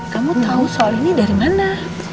kamu tahu soal ini dari mana